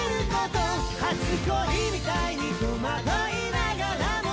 「初恋みたいに戸惑いながらも」